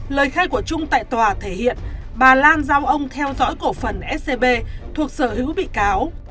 lời khai của trung tại tòa thể hiện bà lan giao ông theo dõi cổ phần scb thuộc sở hữu bị cáo